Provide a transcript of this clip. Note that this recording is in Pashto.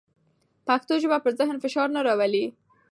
پښتو ژبه پر ذهن فشار نه راولي.